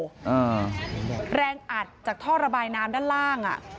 อ่าแรงอัดจากท่อระบายน้ำด้านล่างอ่ะ